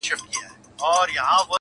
نه دېوال نه كنډواله نه قلندر وو!.